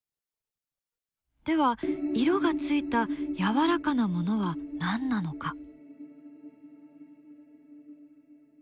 では色がついたやわらかなものは何なのか？